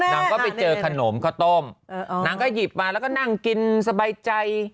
นางก็ไปเจอขนมข้าวต้มนางก็หยิบมาแล้วก็นั่งกินสบายใจ